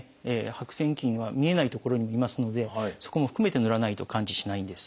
白癬菌は見えない所にもいますのでそこも含めてぬらないと完治しないんです。